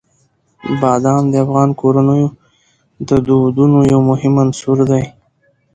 بادام د افغان کورنیو د دودونو یو مهم عنصر دی.